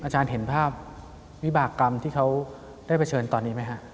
อาจารย์เห็นภาพวิบากรรมที่เขาได้เผชิญตอนนี้ไหมฮะ